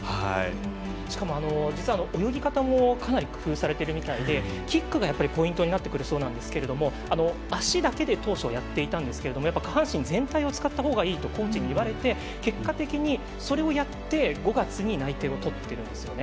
しかも、実は泳ぎ方もかなり工夫されているみたいでキックがポイントになってくるそうなんですけど足だけで当初やっていたんですが下半身全体を使ったほうがいいとコーチに言われて結果的にそれをやって５月に内定を取っているんですね。